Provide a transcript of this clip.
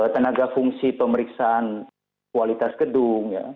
tenaga fungsi pemeriksaan kualitas gedung